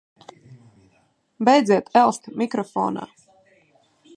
Beidziet elst mikrofonā!